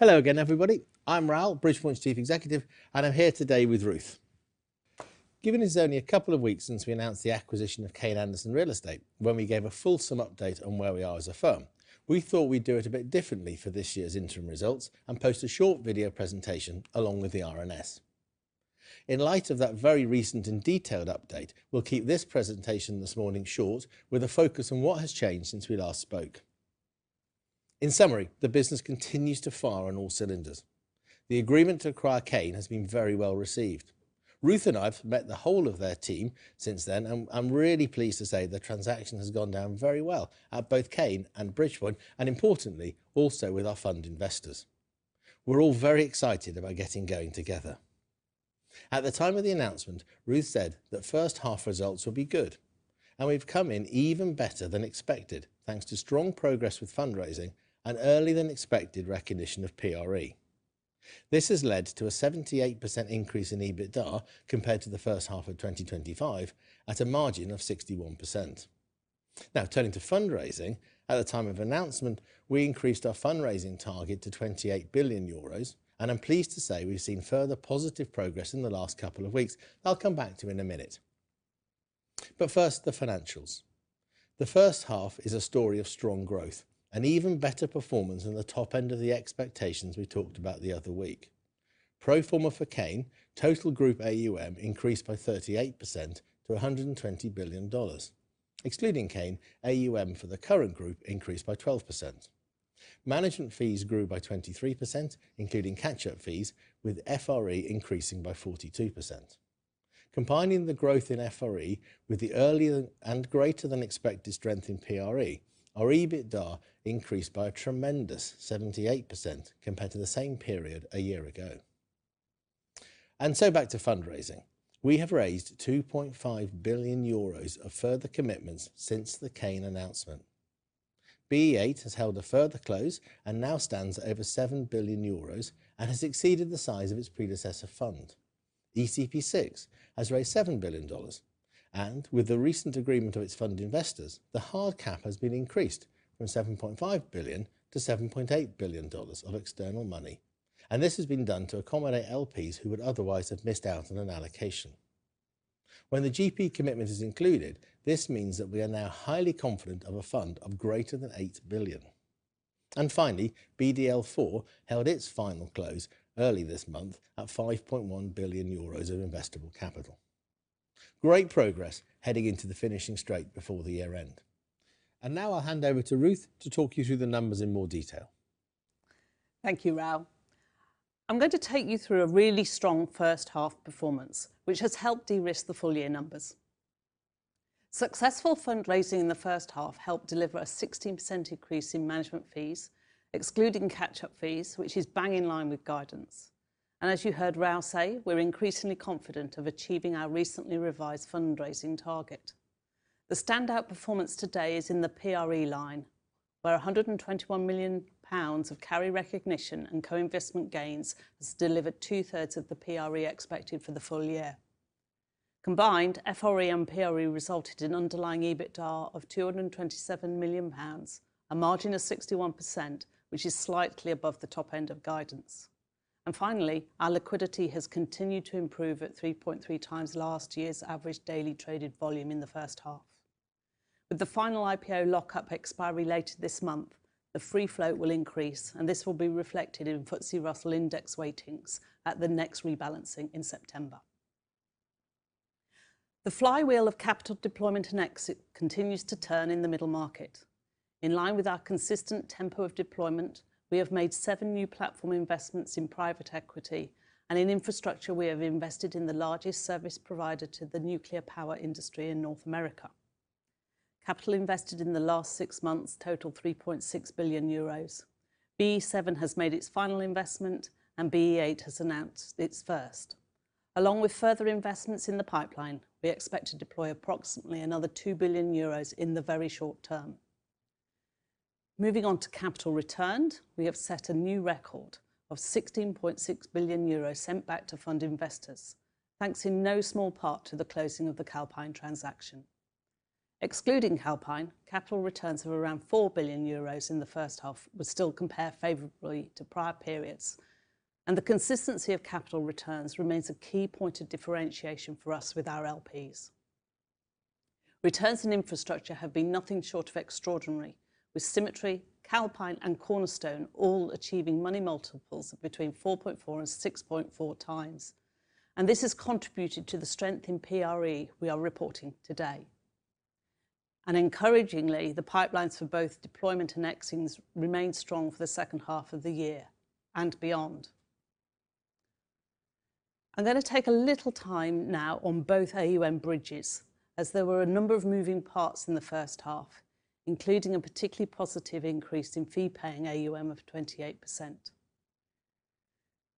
Hello again, everybody. I'm Raoul, Bridgepoint's Chief Executive, and I'm here today with Ruth. Given it's only a couple of weeks since we announced the acquisition of Kayne Anderson Real Estate, when we gave a fulsome update on where we are as a firm. We thought we'd do it a bit differently for this year's interim results and post a short video presentation along with the RNS. In light of that very recent and detailed update, we'll keep this presentation this morning short with a focus on what has changed since we last spoke. In summary, the business continues to fire on all cylinders. The agreement to acquire Kayne has been very well received. Ruth and I have met the whole of their team since then, I'm really pleased to say the transaction has gone down very well at both Kayne and Bridgepoint, and importantly, also with our fund investors. We're all very excited about getting going together. At the time of the announcement, Ruth said that first half results will be good, and we've come in even better than expected, thanks to strong progress with fundraising and earlier than expected recognition of PRE. This has led to a 78% increase in EBITDA compared to the first half of 2025 at a margin of 61%. Turning to fundraising. At the time of announcement, we increased our fundraising target to 28 billion euros, I'm pleased to say we've seen further positive progress in the last couple of weeks that I'll come back to in a minute. First, the financials. The first half is a story of strong growth, an even better performance than the top end of the expectations we talked about the other week. Pro forma for Kayne, total group AUM increased by 38% to $120 billion. Excluding Kayne, AUM for the current group increased by 12%. Management fees grew by 23%, including catch-up fees, with FRE increasing by 42%. Combining the growth in FRE with the earlier and greater than expected strength in PRE. Our EBITDA increased by a tremendous 78% compared to the same period a year ago. Back to fundraising. We have raised 2.5 billion euros of further commitments since the Kayne announcement. BE VIII has held a further close and now stands at over 7 billion euros and has exceeded the size of its predecessor fund. ECP VI has raised $7 billion, with the recent agreement of its fund investors, the hard cap has been increased from $7.5 billion-$7.8 billion of external money. This has been done to accommodate LPs who would otherwise have missed out on an allocation. When the GP commitment is included, this means that we are now highly confident of a fund of greater than 8 billion. Finally, BDL IVheld its final close early this month at 5.1 billion euros of investable capital. Great progress heading into the finishing straight before the year end. Now I'll hand over to Ruth to talk you through the numbers in more detail. Thank you, Raoul. I'm going to take you through a really strong first half performance, which has helped de-risk the full year numbers. Successful fundraising in the first half helped deliver a 16% increase in management fees, excluding catch-up fees, which is bang in line with guidance. As you heard Raoul say, we're increasingly confident of achieving our recently revised fundraising target. The standout performance today is in the PRE line, where 121 million pounds of carry recognition and co-investment gains has delivered 2/3 of the PRE expected for the full year. Combined, FRE and PRE resulted in underlying EBITDA of GBP 227 million, a margin of 61%, which is slightly above the top end of guidance. Finally, our liquidity has continued to improve at 3.3x last year's average daily traded volume in the first half. With the final IPO lock-up expiry later this month, the free float will increase, and this will be reflected in FTSE Russell Index weightings at the next rebalancing in September. The flywheel of capital deployment and exit continues to turn in the middle market. In line with our consistent tempo of deployment, we have made seven new platform investments in private equity, and in infrastructure, we have invested in the largest service provider to the nuclear power industry in North America. Capital invested in the last six months totaled 3.6 billion euros. BE VII has made its final investment, and BE VIII has announced its first. Along with further investments in the pipeline, we expect to deploy approximately another 2 billion euros in the very short term. Moving on to capital returned, we have set a new record of 16.6 billion euros sent back to fund investors, thanks in no small part to the closing of the Calpine transaction. Excluding Calpine, capital returns of around 4 billion euros in the first half would still compare favorably to prior periods, and the consistency of capital returns remains a key point of differentiation for us with our LPs. Returns in infrastructure have been nothing short of extraordinary, with Symmetry, Calpine, and Cornerstone all achieving money multiples of between 4.4x and 6.4x. This has contributed to the strength in PRE we are reporting today. Encouragingly, the pipelines for both deployment and exiting remain strong for the second half of the year and beyond. I'm going to take a little time now on both AUM bridges, as there were a number of moving parts in the first half, including a particularly positive increase in fee-paying AUM of 28%.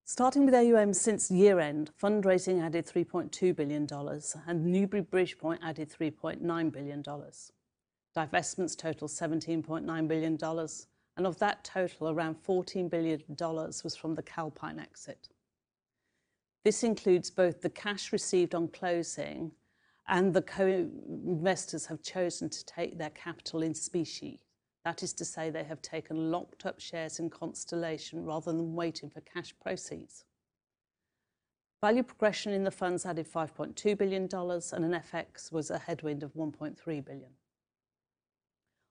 Starting with AUM, since year end, fundraising added $3.2 billion and Newbury Bridgepoint added $3.9 billion. Divestments total $17.9 billion, and of that total, around $14 billion was from the Calpine exit. This includes both the cash received on closing and the co-investors have chosen to take their capital in specie. That is to say they have taken locked-up shares in Constellation rather than waiting for cash proceeds. Value progression in the funds added $5.2 billion, and in FX was a headwind of $1.3 billion.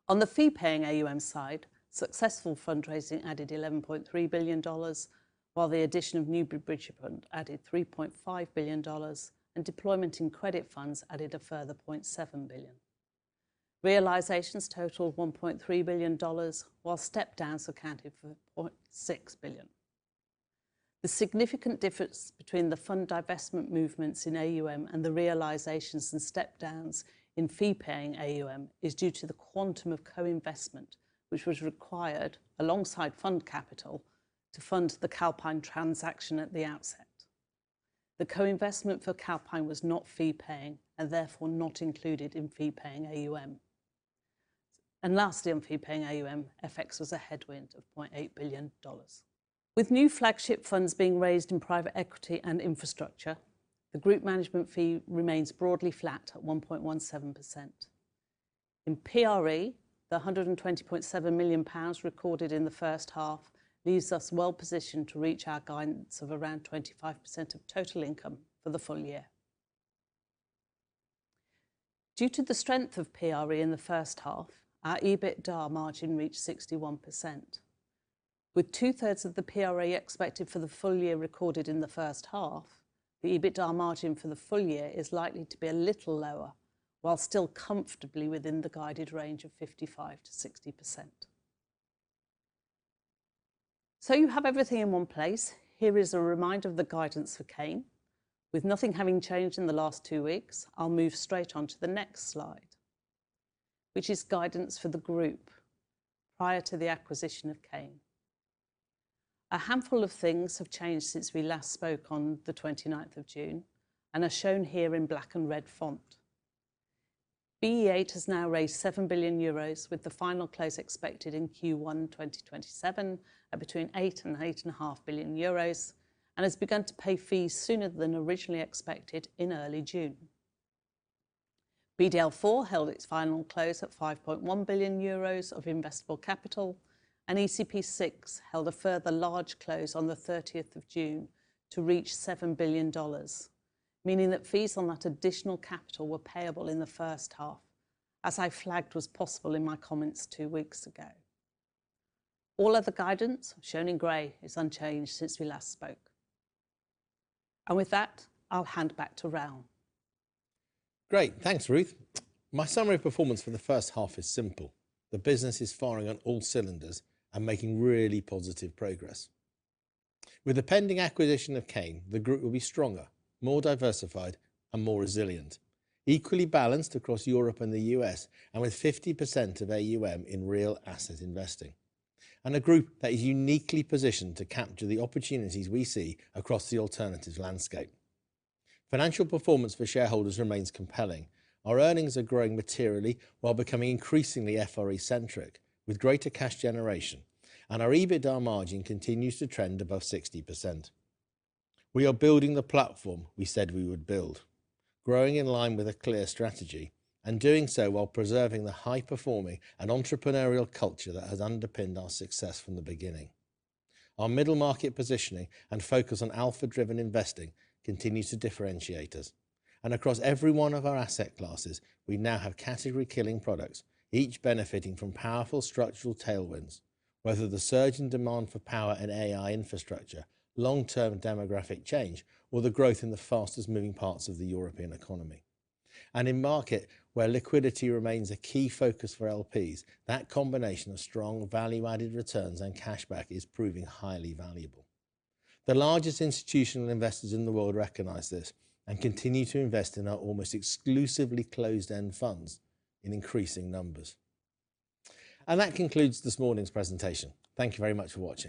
On the fee-paying AUM side, successful fundraising added $11.3 billion, while the addition of Newbury Bridgepoint added $3.5 billion and deployment in credit funds added a further $0.7 billion. Realizations totaled $1.3 billion, while step-downs accounted for $0.6 billion. The significant difference between the fund divestment movements in AUM and the realizations and step-downs in fee-paying AUM is due to the quantum of co-investment, which was required alongside fund capital to fund the Calpine transaction at the outset. The co-investment for Calpine was not fee-paying and therefore not included in fee-paying AUM. Lastly, on fee-paying AUM, FX was a headwind of $0.8 billion. With new flagship funds being raised in private equity and infrastructure, the group management fee remains broadly flat at 1.17%. In PRE, the 120.7 million pounds recorded in the first half leaves us well positioned to reach our guidance of around 25% of total income for the full year. Due to the strength of PRE in the first half, our EBITDA margin reached 61%. With 2/3 of the PRE expected for the full year recorded in the first half, the EBITDA margin for the full year is likely to be a little lower, while still comfortably within the guided range of 55%-60%. You have everything in one place. Here is a reminder of the guidance for Kayne. With nothing having changed in the last two weeks, I'll move straight onto the next slide, which is guidance for the group prior to the acquisition of Kayne. A handful of things have changed since we last spoke on the 29th of June and are shown here in black and red font. BE VIII has now raised 7 billion euros with the final close expected in Q1 2027 at between 8 billion euros and 8.5 billion euros and has begun to pay fees sooner than originally expected in early June. BDL IV held its final close at 5.1 billion euros of investable capital. ECP VI held a further large close on the 30th of June to reach $7 billion, meaning that fees on that additional capital were payable in the first half, as I flagged was possible in my comments two weeks ago. All other guidance, shown in gray, is unchanged since we last spoke. With that, I'll hand back to Raoul. Great. Thanks, Ruth. My summary of performance for the first half is simple. The business is firing on all cylinders and making really positive progress. With the pending acquisition of Kayne, the group will be stronger, more diversified, and more resilient, equally balanced across Europe and the U.S., and with 50% of AUM in real asset investing, and a group that is uniquely positioned to capture the opportunities we see across the alternatives landscape. Financial performance for shareholders remains compelling. Our earnings are growing materially while becoming increasingly FRE-centric with greater cash generation, and our EBITDA margin continues to trend above 60%. We are building the platform we said we would build, growing in line with a clear strategy and doing so while preserving the high-performing and entrepreneurial culture that has underpinned our success from the beginning. Our middle market positioning and focus on alpha-driven investing continues to differentiate us. Across every one of our asset classes, we now have category-killing products, each benefiting from powerful structural tailwinds, whether the surge in demand for power and AI infrastructure, long-term demographic change, or the growth in the fastest-moving parts of the European economy. In market where liquidity remains a key focus for LPs, that combination of strong value-added returns and cash back is proving highly valuable. The largest institutional investors in the world recognize this and continue to invest in our almost exclusively closed-end funds in increasing numbers. That concludes this morning's presentation. Thank you very much for watching